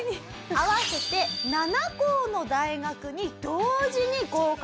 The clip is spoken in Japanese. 合わせて７校の大学に同時に合格したと。